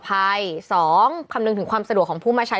เป็นการกระตุ้นการไหลเวียนของเลือด